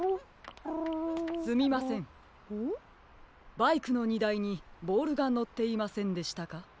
バイクのにだいにボールがのっていませんでしたか？